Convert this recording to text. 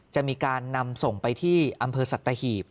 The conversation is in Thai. จะมีการนำส่งไปที่อำเภอสัตหีบ